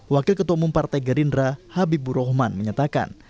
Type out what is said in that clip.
wakil ketua umum partai gerindra habibur rahman menyatakan